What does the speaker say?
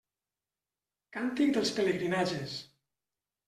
Càntic dels pelegrinatges.